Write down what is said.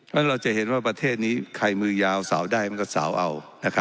แล้วเราจะเห็นว่าประเทศนี้ใครมือยาวสาวได้มันก็สาวเอา